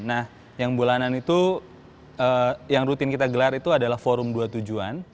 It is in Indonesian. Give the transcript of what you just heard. nah yang bulanan itu yang rutin kita gelar itu adalah forum dua tujuan